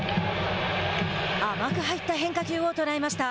甘く入った変化球を捉えました。